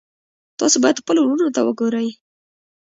تاسو باید خپلو وروڼو ته وګورئ.